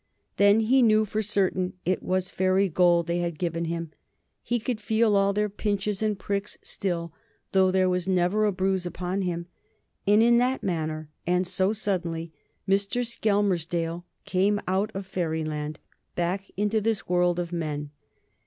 Then he knew for certain it was fairy gold they had given him. He could feel all their pinches and pricks still, though there was never a bruise upon him. And in that manner, and so suddenly, Mr. Skelmersdale came out of Fairyland back into this world of men.